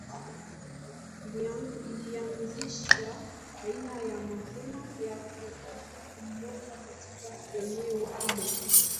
Ilianzisha aina ya mapema ya utatu mmoja katika eneo hilo.